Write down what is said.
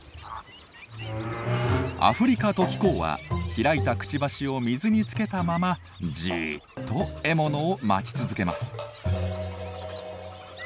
アフリカトキコウは開いたくちばしを水につけたままじっと獲物を待ち続けます。